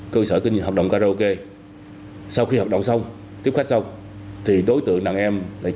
cơ sở kinh nghiệm hợp đồng karaoke sau khi hợp đồng tiếp khách xong thì đối tượng nạn em lại